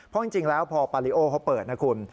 เพราะจริงแล้วพอปาริโอเขาเปิดนะคุณ